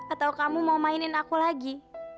atau kamu mau mainin aku lagi